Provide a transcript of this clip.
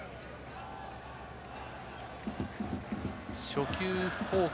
初球、フォーク